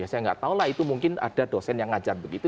saya nggak tahu lah itu mungkin ada dosen yang ngajar begitu